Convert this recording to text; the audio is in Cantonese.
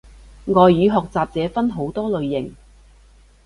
外語學習者分好多類型